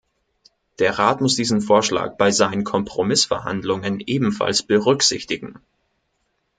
Der Rat muss diesen Vorschlag bei seinen Kompromissverhandlungen ebenfalls berücksichtigen.